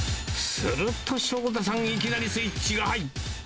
すると翔太さん、いきなりスイッチが入った。